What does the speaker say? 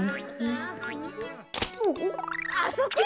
あそこや！